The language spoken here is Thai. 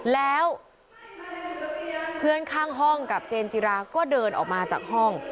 แล้วเพื่อนข้างห้องกับเจนจิราก็เดินออกมาจากห้อง